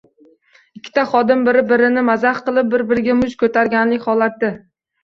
Ikkita xodim bir-birini mazax qilib, bir-biriga musht ko‘targanlik holati